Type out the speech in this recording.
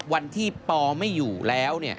วันที่ปอไม่อยู่แล้ว